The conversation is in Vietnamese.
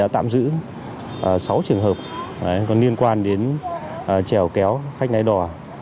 tạm giữ sáu trường hợp liên quan đến treo kéo khách ngay đò